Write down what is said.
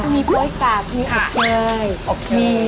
มีโป๊ยกับมีอ๓๖๕